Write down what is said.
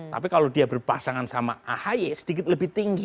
tapi kalau dia berpasangan sama ahy sedikit lebih tinggi